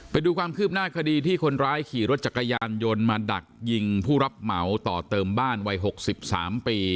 ไปดูความคืบหน้าคดีที่คนร้ายขี่รถจักรยานยนต์มาดักยิงผู้รับเหมาต่อเติมบ้านวัย๖๓ปี